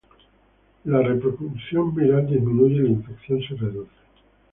La reproducción viral disminuye y la infección se reduce.